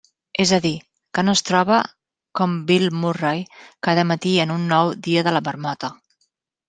És a dir, que no es trobe com Bill Murray cada matí en un nou «dia de la marmota».